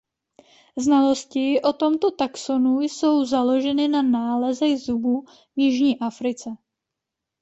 Znalosti o tomto taxonu jsou založeny na nálezech zubů v Jižní Africe.